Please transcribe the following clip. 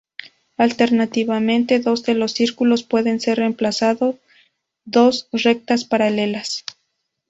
Alternativamente, dos de los círculos puede ser reemplazado dos rectas paralelas.